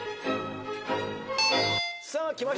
さあきました